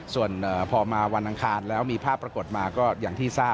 ส่วนพอมาวันอังคารแล้วมีภาพปรากฏมาก็อย่างที่ทราบ